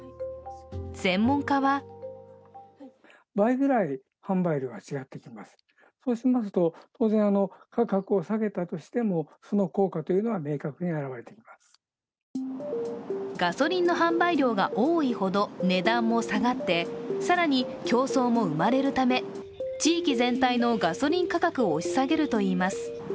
専門家はガソリンの販売量が多いほど値段も下がって更に競争も生まれるため地域全体のガソリン価格を押し下げるといいます。